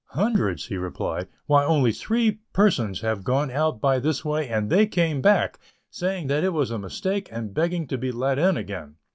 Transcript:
"Hundreds," he replied, "why only three persons have gone out by this way and they came back, saying that it was a mistake and begging to be let in again."